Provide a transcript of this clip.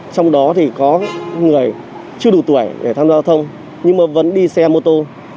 trong đó thì có người chưa đủ tuổi để tham gia giao thông nhưng mà vẫn đi xe mô tô